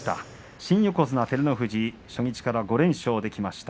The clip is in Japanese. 新横綱照ノ富士初日から５連勝できました。